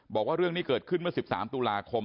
บอกว่าเรื่องนี้เกิดขึ้นเมื่อ๑๓ตุลาคม